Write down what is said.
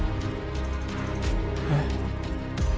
えっ？